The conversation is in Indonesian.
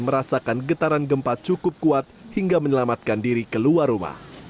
merasakan getaran gempa cukup kuat hingga menyelamatkan diri keluar rumah